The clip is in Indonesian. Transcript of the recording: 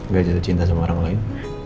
gak jatuh cinta sama orang lain